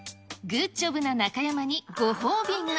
グッジョブな中山にご褒美が。